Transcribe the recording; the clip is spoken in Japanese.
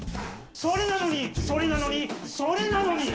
それなのにそれなのにそれなのに！